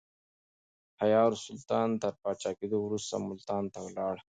حيار سلطان تر پاچا کېدو وروسته ملتان ته ولاړ.